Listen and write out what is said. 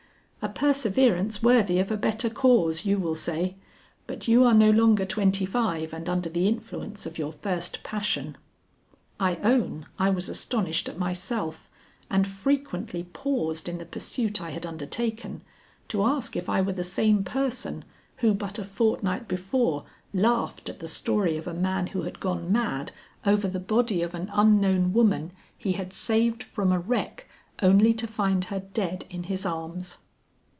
A perseverance worthy of a better cause you will say, but you are no longer twenty five and under the influence of your first passion. I own I was astonished at myself and frequently paused in the pursuit I had undertaken, to ask if I were the same person who but a fortnight before laughed at the story of a man who had gone mad over the body of an unknown woman he had saved from a wreck only to find her dead in his arms.